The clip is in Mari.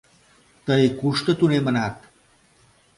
— Тый кушто тунемынат?